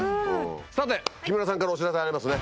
さて木村さんからお知らせありますね。